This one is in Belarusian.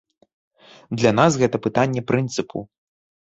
Для нас гэта пытанне прынцыпу.